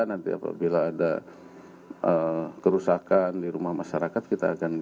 nanti apabila ada kerusakan di rumah masyarakat kita akan